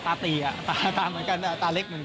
ตาตีอ่ะตาเหมือนกันตาเล็กเหมือนกัน